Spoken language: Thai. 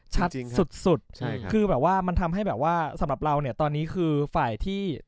สุดสุดคือแบบว่ามันทำให้แบบว่าสำหรับเราเนี่ยตอนนี้คือฝ่ายที่